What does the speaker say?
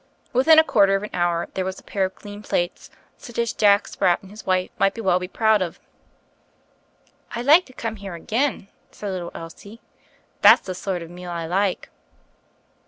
Within a quarter of an hour there was a pair of clean plates such as Jack Spratt and his wife might well be proud of. "I'd like to come here again," said little Elsie. "That's the sort of a meal I like.